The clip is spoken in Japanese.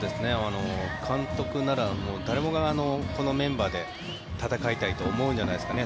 監督なら誰もがこのメンバーで戦いたいと思うんじゃないですかね。